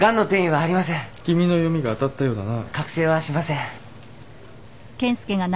郭清はしません。